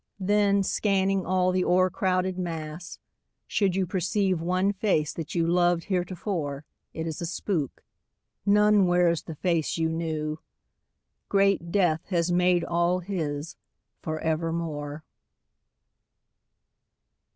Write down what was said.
Then, scanning all the o'ercrowded mass, should you Perceive one face that you loved heretofore, It is a spook. None wears the face you knew. Great death has made all his for evermore.